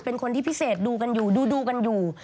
เป็นคนที่พิเศษดูกันอยู่ดูกันอยู่